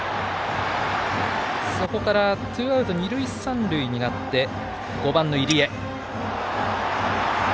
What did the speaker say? そこからツーアウト、二塁三塁になって５番の入江。